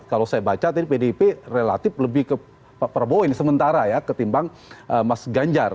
kalau saya baca tadi pdip relatif lebih ke pak prabowo ini sementara ya ketimbang mas ganjar